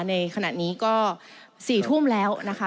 ในขณะนี้ก็๔ทุ่มแล้วนะคะ